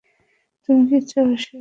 তুমি কি চাও সে এখন মারা যাক?